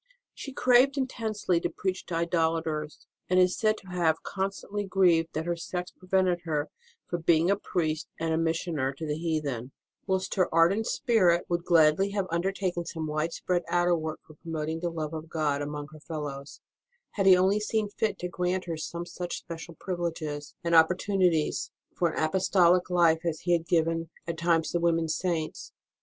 She craved intensely to preach to idolaters, and is said to have constantly grieved that her sex prevented her from being a priest and missioner to the heathen ; whilst her ardent spirit would gladly 1 66 HOW ROSE OF ST. MARY DIED 167 have undertaken some widespread outer work for promoting the love of God among her fellows, had He only seen fit to grant her some such special privileges and opportunities for an apostolic life as He had given at times to women Saints.